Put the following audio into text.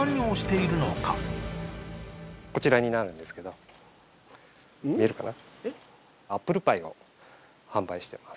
こちらになるんですけど見えるかな？